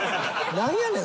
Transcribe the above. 何やねん？